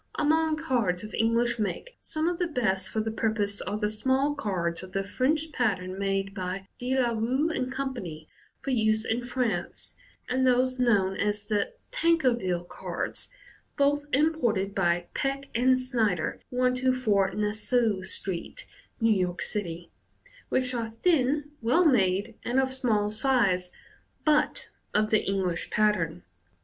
Among cards of English make, some of the best for the purpose are the small cards of the French pattern made by De La Rue & Co. for use in France, and those known as the *' Tankerville' ' cards, both imported by Peck & Snyder, 124 Nassau Street, New York City, which are thin, well made, and of small size, but of the English pattern.